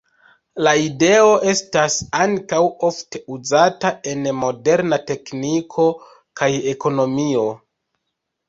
La ideo estas ankaŭ ofte uzata en moderna tekniko kaj ekonomio.